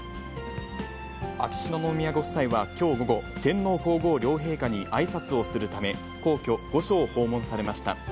秋篠宮ご夫妻は、きょう午後、天皇皇后両陛下にあいさつをするため、皇居・御所を訪問されました。